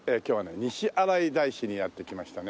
西新井大師にやって来ましたね。